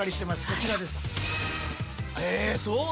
こちらです。